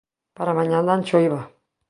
Para mañá dan choiva